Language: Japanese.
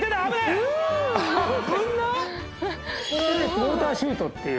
ウォーターシュートっていう。